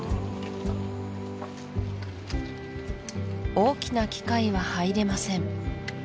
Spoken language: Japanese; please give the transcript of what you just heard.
大きな機械は入れません